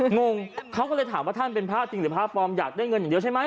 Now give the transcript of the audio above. งงเขาก็เลยถามว่าท่านเป็นพระจริงหรือพระปลอมอยากได้เงินอย่างเดียวใช่ไหม